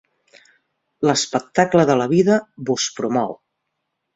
L'espectacle de la vida vos promou.